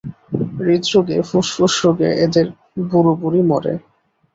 হৃদরোগে ফুসফুস রোগে এদের বুড়োবুড়ী মরে।